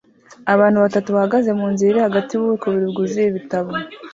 Abantu batatu bahagaze munzira iri hagati yububiko bubiri bwuzuye ibitabo